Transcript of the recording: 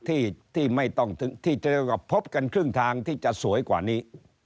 ที่ไม่ต้องคือเพิ่มกับแผนคลื่นทางที่จะสวยกว่านี้